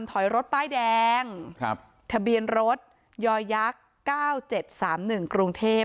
ถอยรถป้ายแดงครับทะเบียนรถยอยักษ์เก้าเจ็บสามหนึ่งกรุงเทพฯ